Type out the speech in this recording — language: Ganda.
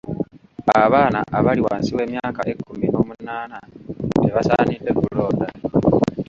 Abaana abali wansi w'emyaka ekkumi n'omunaana tebasaanidde kulonda.